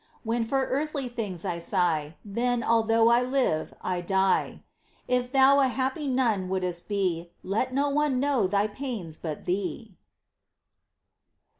When for earthly things I sigh, Then, although I live, I die ! If thou a happy nun wouldst be, Let no one know thy pains but thee !